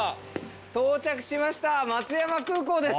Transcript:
到着しました松山空港です。